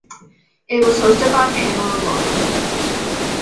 It was hosted by Pamela Wallin.